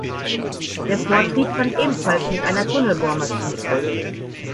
Der Vortrieb fand ebenfalls mit einer Tunnelbohrmaschine statt.